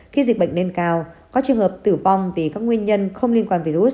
khi dịch bệnh lên cao có trường hợp tử vong vì các nguyên nhân không liên quan virus